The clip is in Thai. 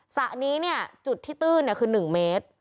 สระนี้เนี่ยจุดที่ตื้นคือ๑เมตร